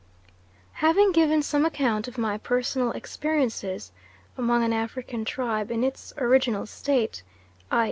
Having given some account of my personal experiences among an African tribe in its original state, i.